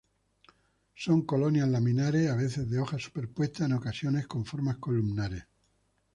Son colonias laminares, a veces de hojas superpuestas, en ocasiones con formas columnares.